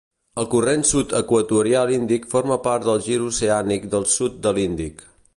El Corrent Sud Equatorial Índic forma part del Gir Oceànic del sud de l'Índic.